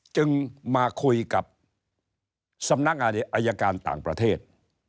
จึงมาคุยกับสำนักงานอายการต่างประเทศ